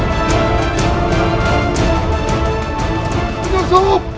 pak yusuf pak yusuf